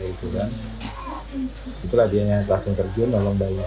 itu lah dia yang langsung terjun nolong bayi saya